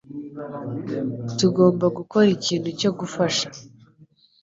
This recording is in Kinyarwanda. Tugomba gukora ikintu cyo gufasha